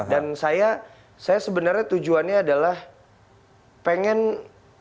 dan saya sebenarnya tujuannya adalah pengen orang orang lebih tahu